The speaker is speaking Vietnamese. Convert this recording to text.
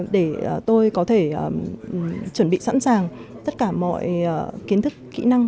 để tôi có thể chuẩn bị sẵn sàng tất cả mọi kiến thức kỹ năng